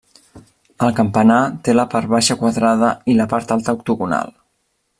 El campanar té la part baixa quadrada i la part alta octogonal.